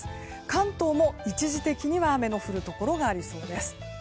関東も一時的には雨の降るところがありそうです。